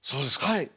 はい。